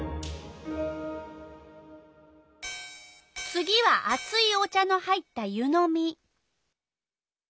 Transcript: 次はあついお茶の入った湯のみ。